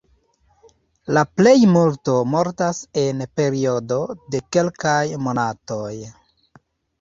La plejmulto mortas en periodo de kelkaj monatoj.